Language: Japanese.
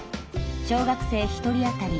小学生１人あたり